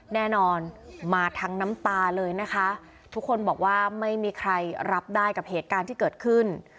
แน่นอนมาทั้งน้ำตาเลยนะคะทุกคนบอกว่าไม่มีใครรับได้กับเหตุการณ์ที่เกิดขึ้น